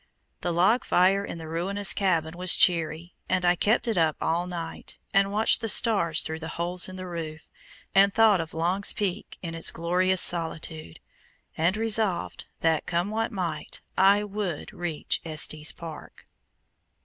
The log fire in the ruinous cabin was cheery, and I kept it up all night, and watched the stars through the holes in the roof, and thought of Long's Peak in its glorious solitude, and resolved that, come what might, I would reach Estes Park.